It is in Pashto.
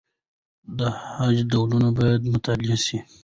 د خج ډولونه باید مطالعه سي.